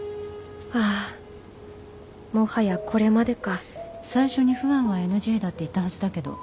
ああもはやこれまでか最初にファンはＮＧだって言ったはずだけど。